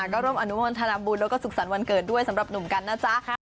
ก็ร่วมอนุโมทนาบุญแล้วก็สุขสรรค์วันเกิดด้วยสำหรับหนุ่มกันนะจ๊ะ